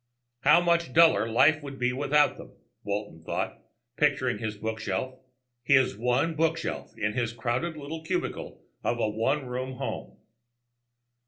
How much duller life would be without them, Walton thought, picturing his bookshelf his one bookshelf, in his crowded little cubicle of a one room home.